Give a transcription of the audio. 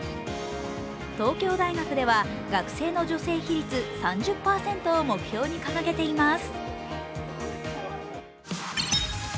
東京大学では学生の女性比率、３０％を目標に掲げています。